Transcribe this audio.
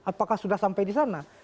apakah sudah sampai di sana